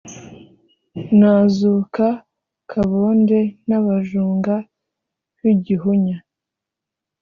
nazuka kabonde n’abajunga b’i gihunya,